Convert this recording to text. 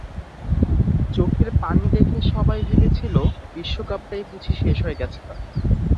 চোখে পানি দেখে সবাই ভেবেছিল, বিশ্বকাপটাই বুঝি শেষ হয়ে গেছে তাঁর।